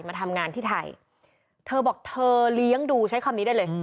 มาทำงานที่ไทยเธอบอกเธอเลี้ยงดูใช้คำนี้ได้เลย